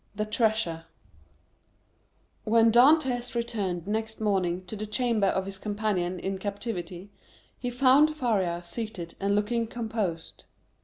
The Treasure When Dantès returned next morning to the chamber of his companion in captivity, he found Faria seated and looking composed.